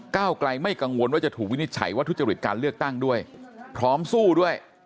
เก้าไกลไม่กังวลว่าจะถูกวินิจฉัยว่าทุจริตการเลือกตั้งด้วยพร้อมสู้ด้วย